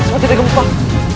zaden ada gempar